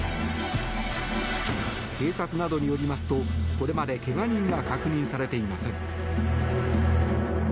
警察などによりますとこれまで怪我人は確認されていません。